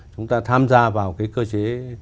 chúng ta tham gia vào cái cơ chế